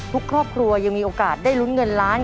ครอบครัวยังมีโอกาสได้ลุ้นเงินล้าน